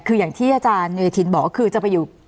คืออย่างที่อาจารย์โยธินบอกว่าคือจะไปอยู่